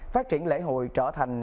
phát triển lễ hội trở thành